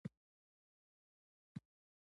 تاسې بايد زما پر زوی ډېر پام وکړئ.